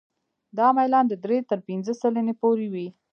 دا میلان د درې تر پنځه سلنې پورې وي